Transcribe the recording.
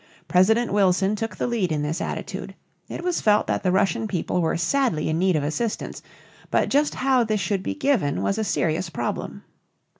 President Wilson took the lead in this attitude. It was felt that the Russian people were sadly in need of assistance, but just how this should be given was a serious problem.